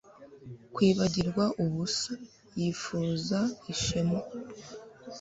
kwibagirwa ubusa, yifuza, ishema